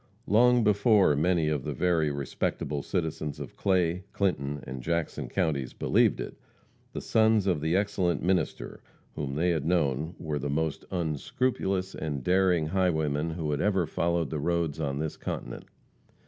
Long before many of the very respectable citizens of Clay, Clinton and Jackson counties believed it, the sons of the excellent minister whom they had known were the most unscrupulous and daring highwaymen who had ever followed the roads on this continent.